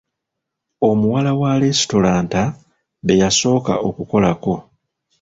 Omuwala wa lesitulanta be yasooka okukolako.